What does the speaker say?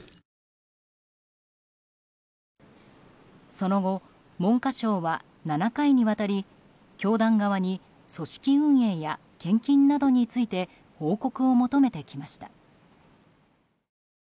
その後、文科省は７回にわたり教団側に組織運営や献金などについて報告を求めてきました。